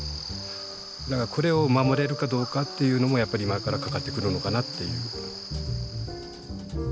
だからこれを守れるかどうかっていうのもやっぱり今からかかってくるのかなっていう。